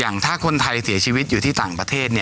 ถ้าคนไทยเสียชีวิตอยู่ที่ต่างประเทศ